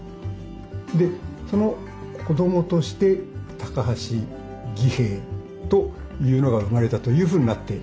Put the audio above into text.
でその子供として橋儀平というのが生まれたというふうになっている。